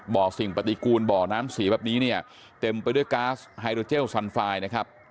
บ่อสิ่งปฏิกูลบ่อน้ำสีแบบนี้เนี่ยเต็มไปด้วยก๊าซไฮโดเจลสันไฟล์นะครับ